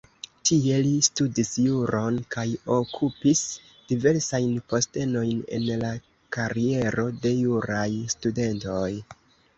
Tie li studis juron kaj okupis diversajn postenojn en la kariero de juraj studentoj.